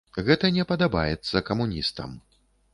Гэта не падабаецца камуністам.